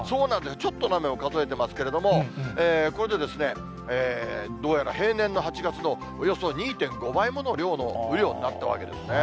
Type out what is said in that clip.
ちょっとの雨も数えてますけれども、これでどうやら平年の８月のおよそ２．５倍もの量の雨量になったわけですね。